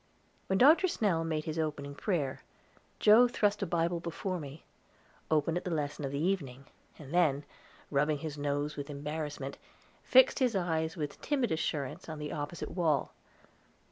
When Dr. Snell made his opening prayer, Joe thrust a Bible before me, open at the lesson of the evening, and then, rubbing his nose with embarrassment, fixed his eyes with timid assurance on the opposite wall.